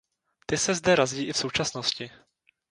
Ty se zde razí i v současnosti.